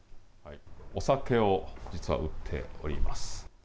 お酒を実は売っております。